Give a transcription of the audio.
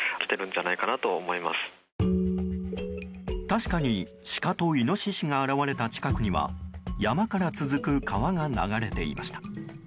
確かにシカとイノシシが現れた近くには山から続く川が流れていました。